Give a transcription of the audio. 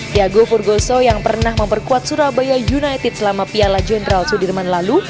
tiago furgoso yang pernah memperkuat surabaya united selama piala jenderal sudirman lalu